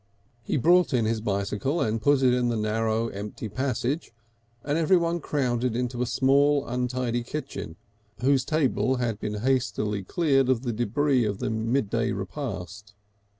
He brought in his bicycle and put it in the narrow, empty passage, and everyone crowded into a small untidy kitchen, whose table had been hastily cleared of the débris of the midday repast.